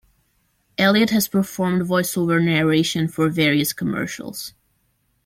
Elliott has performed voice-over narration for various commercials.